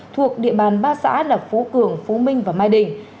thuộc địa bàn ba xã là phú cường phú minh và mai đình